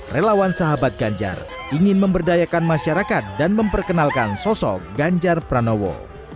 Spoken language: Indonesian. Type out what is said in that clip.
relawan sahabat ganjar ingin memberdayakan masyarakat dan memperkenalkan sosok ganjar pranowo